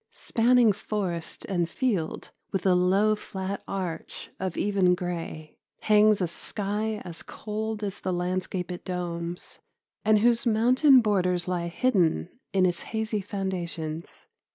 Spanning forest and field with a low flat arch of even gray, hangs a sky as cold as the landscape it domes and whose mountain borders lie hidden in its hazy foundations.